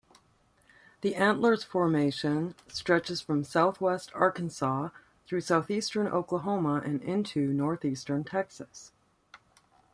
The Antlers Formation stretches from southwest Arkansas through southeastern Oklahoma and into northeastern Texas.